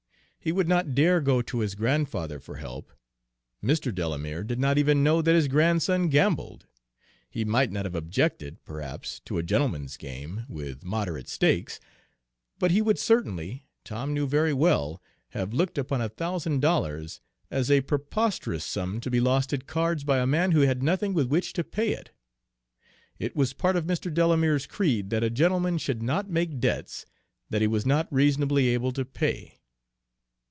He would not dare go to his grandfather for help. Mr. Delamere did not even know that his grandson gambled. He might not have objected, perhaps, to a gentleman's game, with moderate stakes, but he would certainly, Tom knew very well, have looked upon a thousand dollars as a preposterous sum to be lost at cards by a man who had nothing with which to pay it. It was part of Mr. Delamere's creed that a gentleman should not make debts that he was not reasonably able to pay.